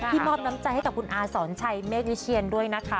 มอบน้ำใจให้กับคุณอาสอนชัยเมฆวิเชียนด้วยนะคะ